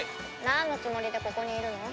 なんのつもりでここにいるの？